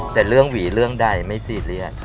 แต่เรื่องหวีเรื่องใดไม่ซีเรียส